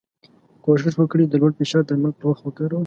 کوښښ وکړی د لوړ فشار درمل په وخت وکاروی.